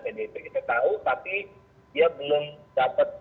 pdip kita tahu tapi dia belum dapat